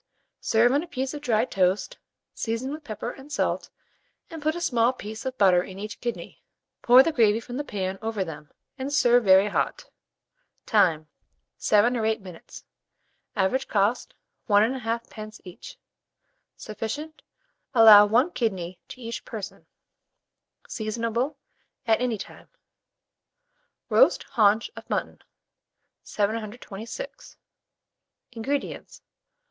Serve on a piece of dry toast, season with pepper and salt, and put a small piece of butter in each kidney; pour the gravy from the pan over them, and serve very hot. Time. 7 or 8 minutes. Average cost, 1 1/2d. each. Sufficient. Allow 1 kidney to each person. Seasonable at any time. ROAST HAUNCH OF MUTTON. [Illustration: HAUNCH OF MUTTON.] 726. INGREDIENTS.